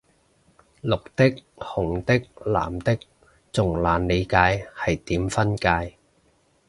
綠的紅的藍的仲難理解係點分界